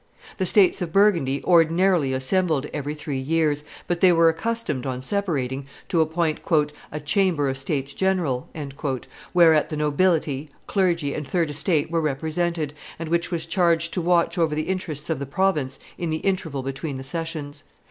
The states of Burgundy ordinarily assembled every three years, but they were accustomed, on separating, to appoint "a chamber of states general," whereat the nobility, clergy, and third estate were represented, and which was charged to watch over the interests of the province in the interval between the sessions.